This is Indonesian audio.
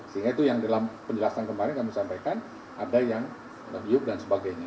sehingga itu yang dalam penjelasan kemarin kami sampaikan ada yang terdiup dan sebagainya